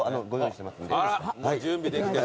あっ準備できてる。